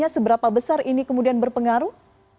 seberapa besar ini kemudian berpengaruh